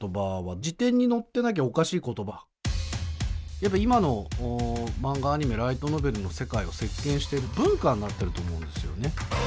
やっぱ今のマンガアニメライトノベルの世界を席けんしてる文化になってると思うんですよね。